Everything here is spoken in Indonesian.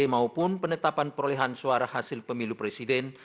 maupun penetapan perolehan suara hasil pemilu presiden